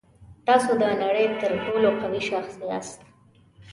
تاسو د نړۍ تر ټولو قوي شخص یاست.